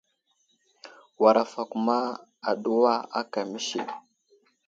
War afakuma aɗuwa aka məsi.